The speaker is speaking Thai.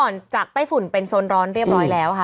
จากไต้ฝุ่นเป็นโซนร้อนเรียบร้อยแล้วค่ะ